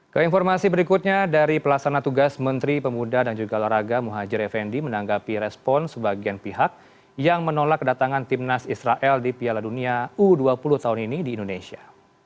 keinformasi berikutnya dari pelaksana tugas menteri pemuda dan juga laraga muhajir effendi menanggapi respon sebagian pihak yang menolak kedatangan timnas israel di piala dunia u dua puluh tahun ini di indonesia